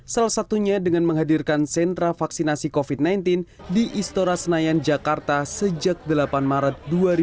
salah satunya dengan menghadirkan sentra vaksinasi covid sembilan belas di istora senayan jakarta sejak delapan maret dua ribu dua puluh